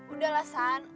udah lah san